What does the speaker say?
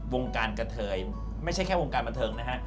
วงการกระเทยไม่ใช่แค่วงการบันเทิงนะฮะ